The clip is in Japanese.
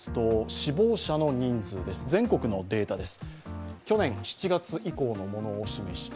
死亡者の人数です、全国のデータです。